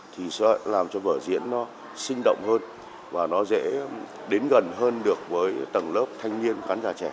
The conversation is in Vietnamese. thì sẽ làm cho vở diễn nó sinh động hơn và nó dễ đến gần hơn được với tầng lớp thanh niên khán giả trẻ